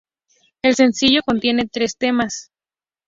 El sencillo contiene tres temas.